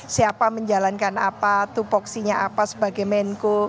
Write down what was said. siapa menjalankan apa tupoksinya apa sebagai menko